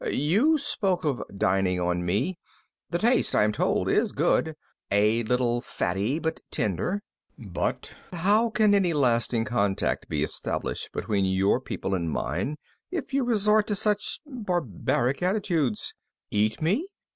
You spoke of dining on me. The taste, I am told, is good. A little fatty, but tender. But how can any lasting contact be established between your people and mine if you resort to such barbaric attitudes? Eat me?